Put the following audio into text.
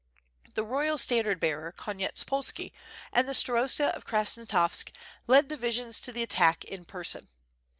The royal standard bearer Konyetspolski, and the Starosta of Krasnostavsk led divisions to the attack in per son.